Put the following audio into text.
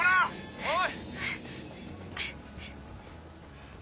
おい！